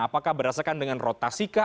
apakah berdasarkan dengan rotasi kah